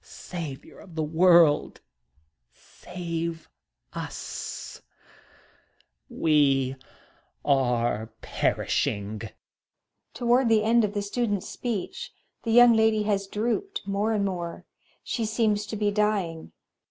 Saviour of the World, save us — we are perishing ! Toward the end of the Student's speech, the Young Lady has drooped more and more. She seems to be dying.